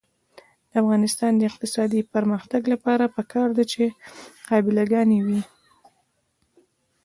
د افغانستان د اقتصادي پرمختګ لپاره پکار ده چې قابله ګانې وي.